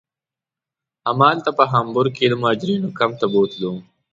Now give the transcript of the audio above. همالته په هامبورګ کې یې د مهاجرینو کمپ ته بوتلو.